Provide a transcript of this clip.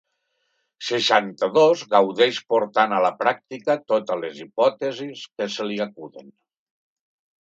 Seixanta-dos gaudeix portant a la pràctica totes les hipòtesis que se li acuden.